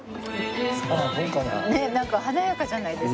ねっなんか華やかじゃないですか。